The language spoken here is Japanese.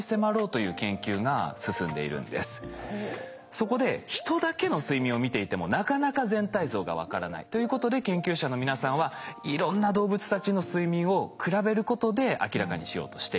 そこで人だけの睡眠を見ていてもなかなか全体像が分からない。ということで研究者の皆さんはいろんな動物たちの睡眠を比べることで明らかにしようとしています。